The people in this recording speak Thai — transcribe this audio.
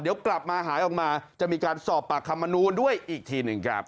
เดี๋ยวกลับมาหายออกมาจะมีการสอบปากคำมนูลด้วยอีกทีหนึ่งครับ